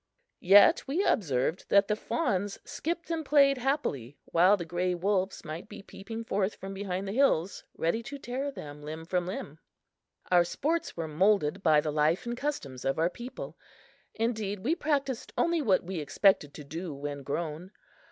Yet we observed that the fawns skipped and played happily while the gray wolves might be peeping forth from behind the hills, ready to tear them limb from limb. Our sports were molded by the life and customs of our people; indeed, we practiced only what we expected to do when grown.